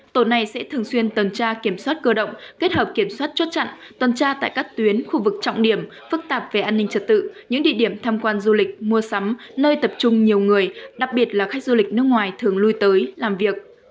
tổ này sẽ thường xuyên tuần tra kiểm soát cơ động kết hợp kiểm soát chốt chặn tuần tra tại các tuyến khu vực trọng điểm phức tạp về an ninh trật tự những địa điểm tham quan du lịch mua sắm nơi tập trung nhiều người đặc biệt là khách du lịch nước ngoài thường lui tới làm việc